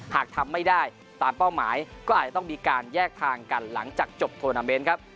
หากทำไม่ได้ตามเป้าหมายก็อาจจะต้องมีการแยกทางกันหลังจากจบโทรนาเมนต์ครับ